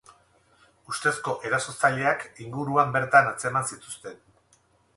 Ustezko erasotzaileak inguruan bertan atzeman zituzten.